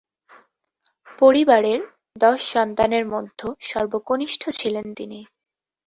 পরিবারের দশ সন্তানের মধ্যে সর্বকনিষ্ঠ ছিলেন তিনি।